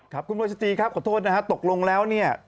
ครับคุณโรสจีครับขอโทษนะฮะตกลงแล้วเนี่ย